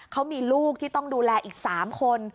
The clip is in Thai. เขามีลูกที่ต้องดูแลอีก๓คน